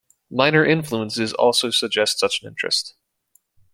Minor influences also suggest such an interest.